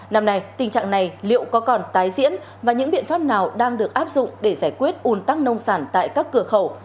năm nay tình trạng này liệu có còn tái diễn và những biện pháp nào đang được áp dụng để giải quyết un tắc nông sản tại các cửa khẩu